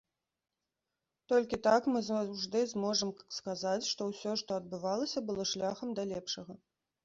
Толькі так мы заўжды зможам сказаць, што ўсё, што адбывалася, было шляхам да лепшага.